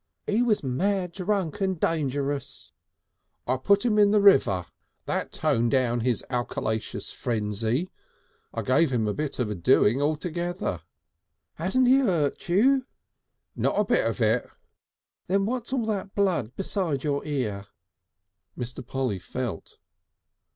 "'E was mad drunk and dangerous!" "I put him in the river," said Mr. Polly. "That toned down his alcolaceous frenzy! I gave him a bit of a doing altogether." "Hain't he 'urt you?" "Not a bit of it!" "Then what's all that blood beside your ear?" Mr. Polly felt.